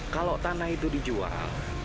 kalau tanah itu dijual